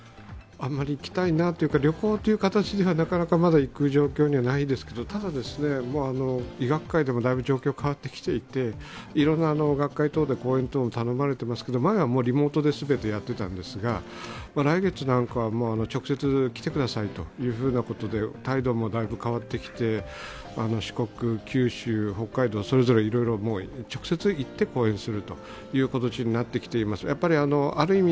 あまり行きたいなというか、旅行という形ではなかなかまだ行く状況にはないですけどただ、医学界でもだいぶ状況変わってきていて、いろんな学会等で講演等も頼まれていますけど、前はリモートで全てやってたんですが、来月なんかは直接来てくださいということで対応もだいぶ変わってきて、四国、九州、それぞれいろいろ直接行って講演するという形になってきています。